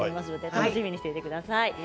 楽しみにしていてください。